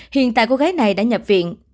hiện tại cô gái này đã nhập viện